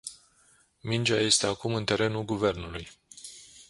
Mingea este acum în terenul guvernului.